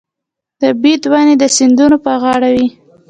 د بید ونې د سیندونو په غاړه وي.